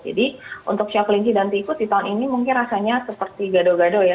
jadi untuk show kelingki dan tikus di tahun ini mungkin rasanya seperti gado gado ya